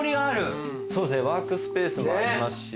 そうですねワークスペースもありますし。